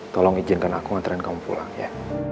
tolong izinkan aku ngantrian kamu pulang ya